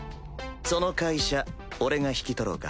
その会社俺が引き取ろうか？